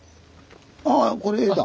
ああこれ江だ。